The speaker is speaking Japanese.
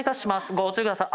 ご注意ください。